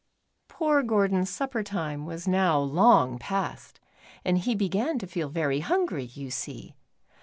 Bicycle. Poor Gordon's supper time was now long past, and he began to feel very hungry, you see.